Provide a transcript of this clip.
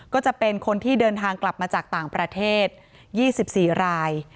ก็จะเป็นคนที่เดินทางกลับมาจากต่างประเทศ๒๔ราย